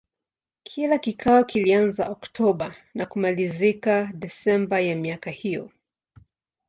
Kila kikao kilianza Oktoba na kumalizika Desemba ya miaka hiyo.